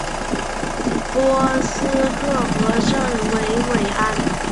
波萨克和圣维维安。